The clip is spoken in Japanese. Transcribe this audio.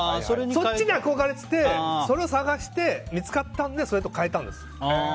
そっちに憧れててそれを探して見つかったのでそれと変えたんです。